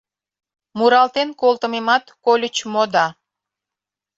Муралтен колтымемат кольыч мо да